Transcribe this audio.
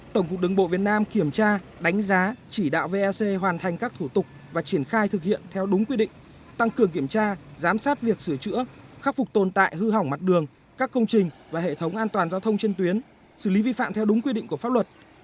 tổng cục đứng bộ việt nam kiểm tra đánh giá chỉ đạo vec hoàn thành các thủ tục và triển khai thực hiện theo đúng quy định tăng cường kiểm tra giám sát việc sửa chữa khắc phục tồn tại hư hỏng mặt đường các công trình và hệ thống an toàn giao thông trên tuyến xử lý vi phạm theo đúng quy định của pháp luật